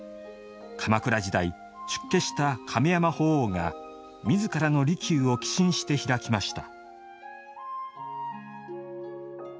鎌倉時代、出家した亀山法皇がみずからの離宮を寄進して開きました。